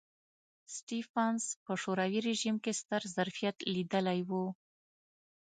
سټېفنس په شوروي رژیم کې ستر ظرفیت لیدلی و